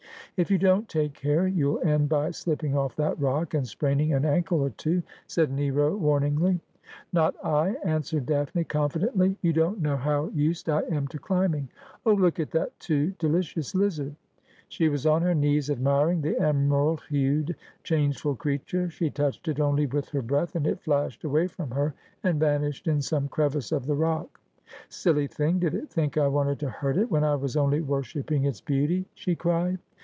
' If you don't take care you'll end by slipping ofE that rock, and spraining an ankle or two,' said Nero warniugly. ' Not I,' answered Daphne confidently ;' you don't know how used I am to climbing. Ob, look at that too delicious lizard !' She was on her knees admiring the emerald hued changeful creature. She touched it only with her breath, and it flashed away from her and vanished in some crevice of the rock. ' Silly thing, did it think I wanted to hurt it, when I was only worshipping its beauty?' she cried.